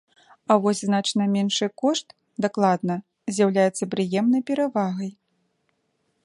А вось значна меншы кошт, дакладна, з'яўляецца прыемнай перавагай.